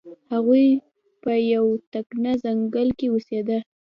هغوی په یو تکنه ځنګل کې اوسیده.